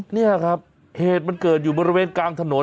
นี่ครับเหตุมันเกิดอยู่บริเวณกลางถนน